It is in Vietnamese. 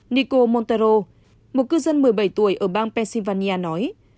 nico montero một cư dân một mươi bảy tuổi ở bang pennsylvania nói